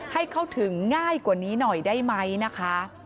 ให้เข้าถึงง่ายกว่านี้หน่อยได้ไหมนะคะ